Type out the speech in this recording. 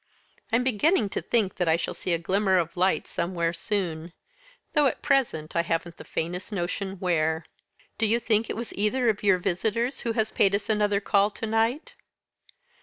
I'm beginning to think that I shall see a glimmer of light somewhere soon though at present I haven't the faintest notion where." "Do you think it was either of your visitors who has paid us another call to night?"